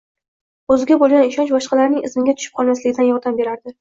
O‘ziga bo‘lgan ishonch boshqalarning izmiga tushib qolmasligida yordam beradi